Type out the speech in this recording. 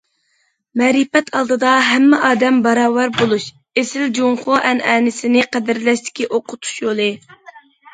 مەرىپەت ئالدىدا ھەممە ئادەم باراۋەر بولۇش ئېسىل جۇڭخۇا ئەنئەنىسىنى قەدىرلەشتىكى ئوقۇتۇش يولى.